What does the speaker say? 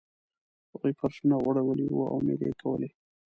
هغوی فرشونه غوړولي وو او میلې یې کولې.